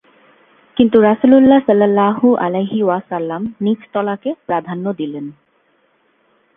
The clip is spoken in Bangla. কিন্তু রাসূলুল্লাহ সাল্লাল্লাহু আলাইহি ওয়াসাল্লাম নিচ তলাকে প্রাধান্য দিলেন।